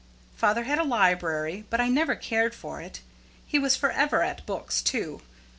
Father had a library, but I never cared for it. He was forever at books too.